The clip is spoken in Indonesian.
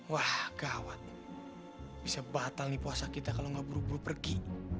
wah kekhawati bisa batal nih puasa kita kalau gak buru buru pergi